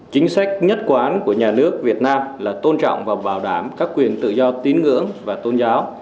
chính sách nhất quán của nhà nước việt nam là tôn trọng và bảo đảm các quyền tự do tín ngưỡng và tôn giáo